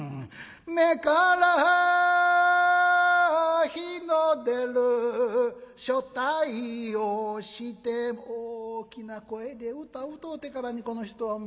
目から火の出る所帯をしても「大きな声で唄歌うてからにこの人はほんまにもう。